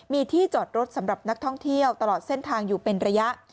มีที่จอดรถสำหรับนักท่องเที่ยวตลอดเส้นทางอยู่เป็นระยะ